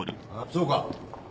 そうか。